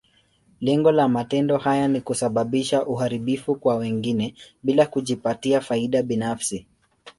Lengo la matendo haya ni kusababisha uharibifu kwa wengine, bila kujipatia faida binafsi.